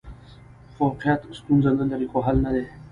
فوقیت ستونزه نه لري، خو حل نه دی.